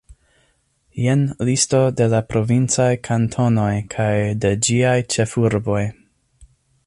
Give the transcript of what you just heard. Jen listo de la provincaj kantonoj kaj de ĝiaj ĉefurboj.